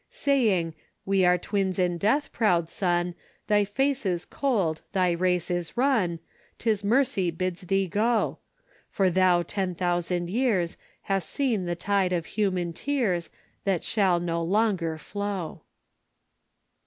Saying, We are twins in death, proud Sun, Thy face is cold, thy race is run, 'Tis Mercy bids thee go: For thou ten thousand years Hast seen the tide of human tears That shall no longer flow."